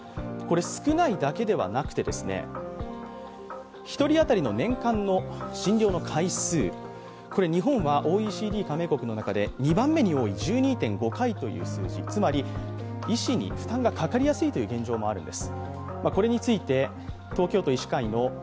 少ないだけではなくて、１人当たりの年間の診療の回数、日本はＯＥＣＤ加盟国の中で２番目に多い１２．５回という数字、つまり医師に負担がかかりやすいという現状もあるんです。